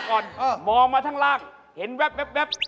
บอกมองมาทั้งล่างเห็นแวบ